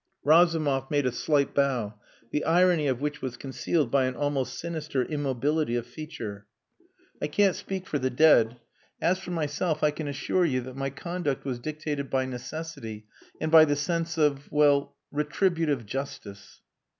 Razumov made a slight bow, the irony of which was concealed by an almost sinister immobility of feature. "I can't speak for the dead. As for myself, I can assure you that my conduct was dictated by necessity and by the sense of well retributive justice."